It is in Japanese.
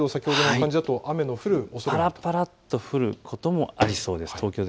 ぱらぱらと降ることもありそうです。